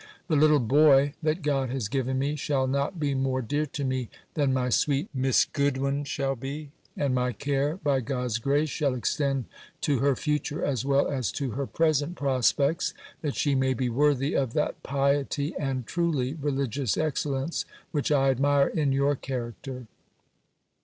The little boy, that God has given me, shall not be more dear to me than my sweet Miss Goodwin shall be; and my care, by God's grace, shall extend to her future as well as to her present prospects, that she may be worthy of that piety, and truly religious excellence, which I admire in your character.